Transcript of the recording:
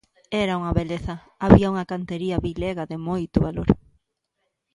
Era unha beleza, había unha cantería vilega de moito valor.